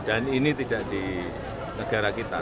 dan ini tidak di negara kita